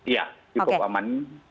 ya cukup aman